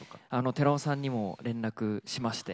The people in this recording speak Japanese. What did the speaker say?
寺尾さんにも連絡しまして。